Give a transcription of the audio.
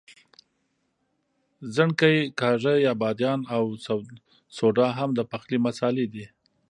ځڼکۍ، کاږه یا بادیان او سوډا هم د پخلي مسالې دي.